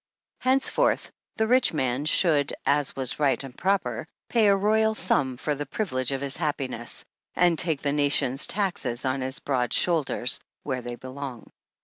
Henceforth, the rich man should, as was right and proper, pay a royal sum for the privilege of his happiness, and take the nation's taxes on his broad shoulders, where they belong.